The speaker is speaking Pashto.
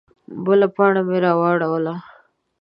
_بله پاڼه مې راواړوله.